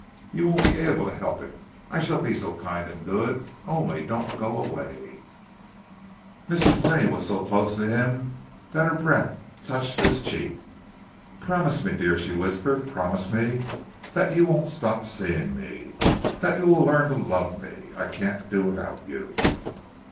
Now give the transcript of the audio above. You won't be able to help it—I shall be so kind and good! Only don't go away—" Mrs. Winnie was so close to him that her breath touched his cheek. "Promise me, dear," she whispered—"promise me that you won't stop seeing me—that you will learn to love me. I can't do without you!"